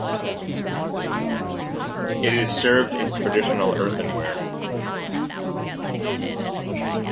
It is served in traditional earthenware.